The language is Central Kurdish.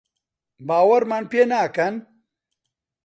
باوەڕمان پێ ناکەن؟